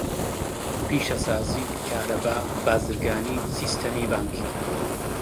پیشەسازی، کارەبا، بازرگانی، سیستەمی بانکی.